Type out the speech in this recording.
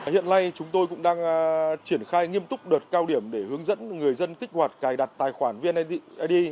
hiện nay chúng tôi cũng đang triển khai nghiêm túc đợt cao điểm để hướng dẫn người dân kích hoạt cài đặt tài khoản vned